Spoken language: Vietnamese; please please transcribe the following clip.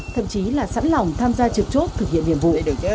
thậm chí là sẵn lòng tham gia trực chốt thực hiện nhiệm vụ